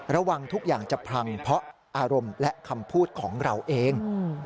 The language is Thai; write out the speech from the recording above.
ระวังทุกอย่างจะพลังเพราะอารมณ์และคำพูดของเราเอง